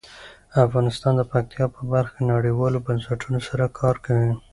افغانستان د پکتیکا په برخه کې نړیوالو بنسټونو سره کار کوي.